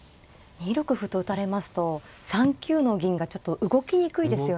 ２六歩と打たれますと３九の銀がちょっと動きにくいですよね。